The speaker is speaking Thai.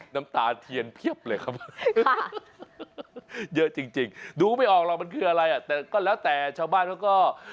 น้ำตาเทียนเพียบเลยครับเยอะจริงดูไม่ออกหรอกมันคืออะไรอ่ะแต่ก็แล้วแต่ชาวบ้านเขาก็